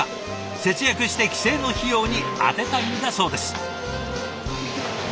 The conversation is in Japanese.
節約して帰省の費用に充てたいんだそうです。